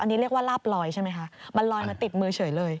อันนี้เรียกว่าลาบลอยใช่ไหมคะมันลอยมาติดมือเฉยเลย